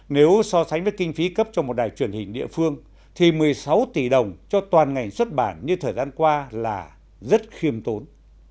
nếu so sánh với kinh phí cấp cho một đài truyền hình địa phương thì một mươi sáu tỷ đồng cho toàn ngành xuất bản như thời gian qua là rất khiêm tốn